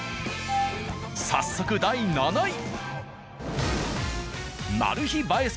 早速第７位。